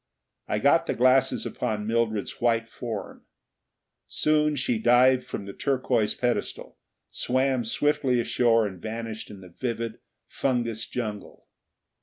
I got the glasses upon Mildred's white form. Soon she dived from the turquoise pedestal, swam swiftly ashore and vanished in the vivid fungous jungle.